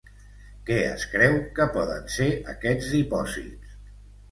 Què es creu que poden ser aquests dipòsits?